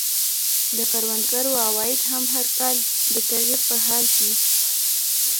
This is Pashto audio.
د کروندګرو عواید هم هر کال د تغییر په حال کې وو.